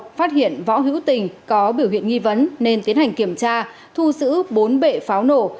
và đội điều tra hình sự công an huyện võ hữu tình có biểu hiện nghi vấn nên tiến hành kiểm tra thu giữ bốn bệ pháo nổ